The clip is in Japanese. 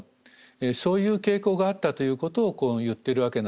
そういう傾向があったということを言ってるわけなんですね。